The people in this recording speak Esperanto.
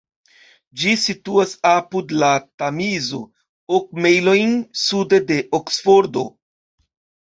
Ĝi situas apud la Tamizo, ok mejlojn sude de Oksfordo.